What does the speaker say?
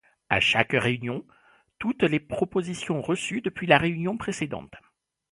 À chaque réunion, toutes les propositions reçues depuis la réunion précédente.